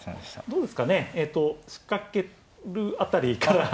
どうですかねえと仕掛ける辺りから。